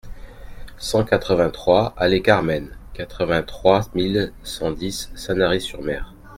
cent quatre-vingt-trois allée Carmen, quatre-vingt-trois mille cent dix Sanary-sur-Mer